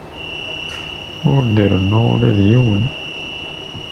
Ur d-rennuɣ ula d yiwen.